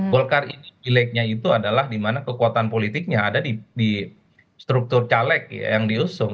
golkar ini pileknya itu adalah di mana kekuatan politiknya ada di struktur caleg yang diusung